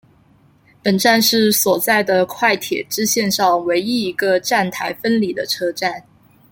本站是所在的快铁支线上唯一一个站台分离的车站。